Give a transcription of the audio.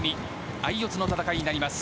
相四つの戦いになります。